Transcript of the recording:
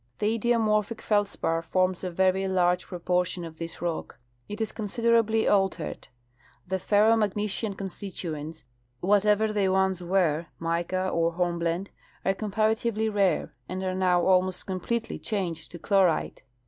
The idiomorphic feldspar forms a very large proportion of this rock. It is considerably altered. Tiie ferro magnesian constituents, whatever they once were (mica or hornblende), are comparative!}^ rare, and are now ahiiost completely changed to chlorite.